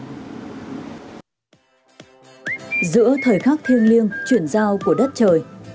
giữa thời khắc thiêng liêng chuyển giao của đất trời